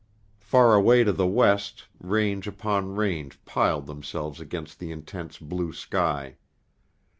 Far away to the west, range upon range piled themselves against the intense blue sky.